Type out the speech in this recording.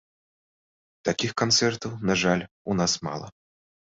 Такіх канцэртаў, на жаль, у нас мала.